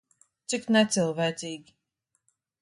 Cik necilvēcīgi.